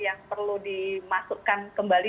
yang perlu dimasukkan kembali